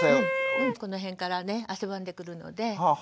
この辺からね汗ばんでくるので。